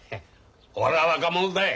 俺は若者だい。